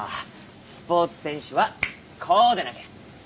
スポーツ選手はこうでなきゃ！